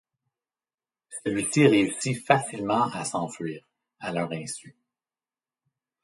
Celui-ci réussit facilement à s'enfuir, à leur insu.